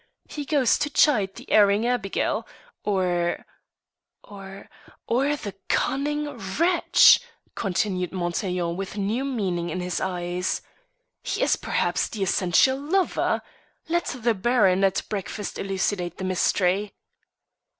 He goes to chide the erring Abigail. Or or or the cunning wretch!" continued Montaiglon with new meaning in his eyes, "he is perhaps the essential lover. Let the Baron at breakfast elucidate the mystery."